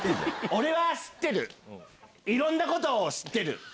俺は知ってるいろんなことを知ってる